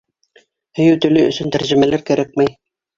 Һөйөү теле өсөн тәржемәләр кәрәкмәй.